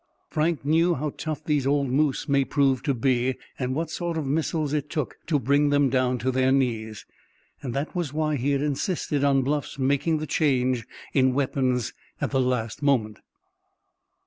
Frank knew how tough these old moose may prove to be, and what sort of missiles it took to bring them down to their knees. That was why he had insisted on Bluff's making the change in weapons at the last moment.